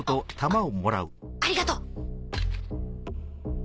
あっありがとう。